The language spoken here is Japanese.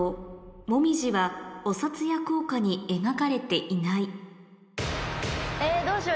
モミジはお札や硬貨に描かれていないえどうしよう？